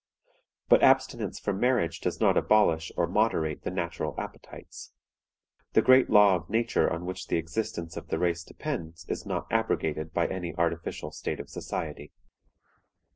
But abstinence from marriage does not abolish or moderate the natural appetites. The great law of nature on which the existence of the race depends is not abrogated by any artificial state of society.